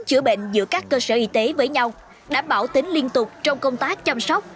chữa bệnh giữa các cơ sở y tế với nhau đảm bảo tính liên tục trong công tác chăm sóc